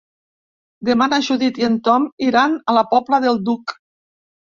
Demà na Judit i en Tom iran a la Pobla del Duc.